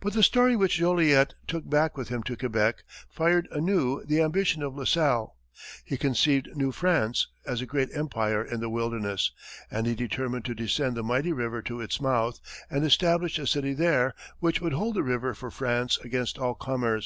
But the story which Joliet took back with him to Quebec fired anew the ambition of La Salle. He conceived New France as a great empire in the wilderness, and he determined to descend the mighty river to its mouth and establish a city there which would hold the river for France against all comers.